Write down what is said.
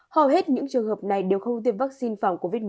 hầu hết những trường hợp này đều không tiêm vaccine phòng covid một mươi chín